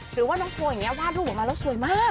หรือว่าน้องโพลอย่างนี้วาดรูปออกมาแล้วสวยมาก